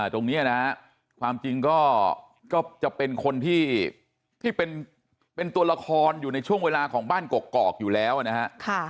ตรงนี้นะฮะความจริงก็จะเป็นคนที่เป็นตัวละครอยู่ในช่วงเวลาของบ้านกอกอยู่แล้วนะฮะ